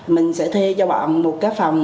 mình sẽ thuê cho bạn một cái phòng